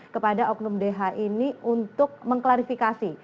kepada oknum dh ini untuk mengklarifikasi